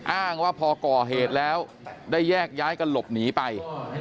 อ้างว่าพอก่อเหตุแล้วได้แยกย้ายกันหลบหนีไป